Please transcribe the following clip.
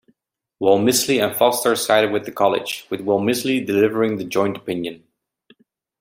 Walmisley and Foster sided with the college, with Walmisley delivering the joint opinion.